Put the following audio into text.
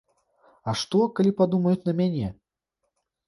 А што, калі падумаюць на мяне?